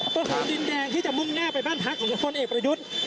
ปัญหาดินแดงที่จะมุ่งหน้าไปบ้านพักของพลเอกประยุทธ์